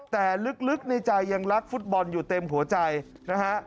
แต่ลึกในใจยังรักฟุตบอลอยู่เต็มหัวใจนะฮะ